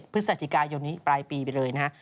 พฤศจิกายนนี้ปลายปีไปเลยนะฮะ